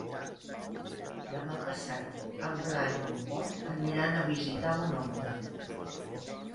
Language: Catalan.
Demà passat en Blai i en Pol aniran a visitar mon oncle.